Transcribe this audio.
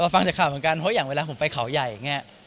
ฟังจากข่าวเหมือนกันเพราะอย่างเวลาผมไปเขาใหญ่อย่างนี้